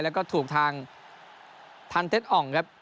แล้วก็ถูกทางทันเต็ดอ่องครับ